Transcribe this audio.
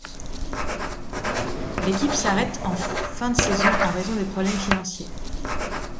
L'équipe s'arrête en fin de saison en raison de problèmes financiers.